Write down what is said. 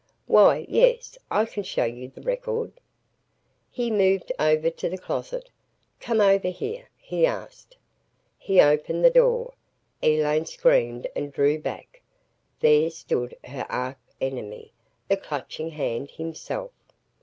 "Why, yes. I can show you the record." He moved over to the closet. "Come over here," he asked. He opened the door. Elaine screamed and drew back. There stood her arch enemy, the Clutching Hand himself.